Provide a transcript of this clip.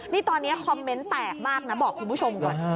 นี่ตอนนี้คอมเมนต์แตกมากนะบอกคุณผู้ชมก่อน